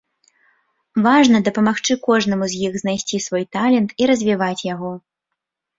Важна дапамагчы кожнаму з іх знайсці свой талент і развіваць яго.